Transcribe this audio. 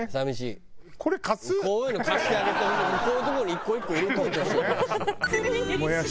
こういうの貸してあげてこういうとこに１個１個入れといてほしいもやしを。